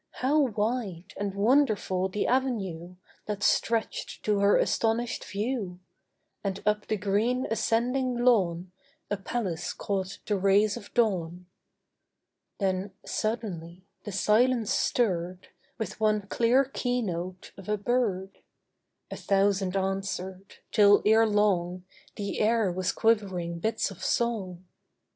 How wide And wonderful the avenue That stretched to her astonished view! And up the green ascending lawn A palace caught the rays of dawn. Then suddenly the silence stirred With one clear keynote of a bird; A thousand answered, till ere long The air was quivering bits of song.